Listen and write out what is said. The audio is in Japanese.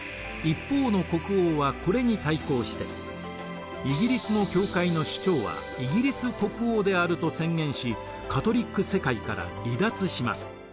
一方の国王はこれに対抗してイギリスの教会の首長はイギリス国王であると宣言しカトリック世界から離脱します。